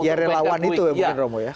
ya relawan itu yang mungkin romo ya